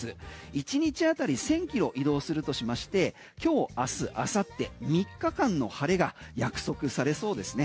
１日当たり１０００ｋｍ移動するとしまして今日明日明後日、３日間の晴れが約束されそうですね。